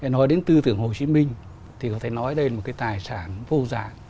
nói đến tư tưởng hồ chí minh thì có thể nói đây là một tài sản vô dạng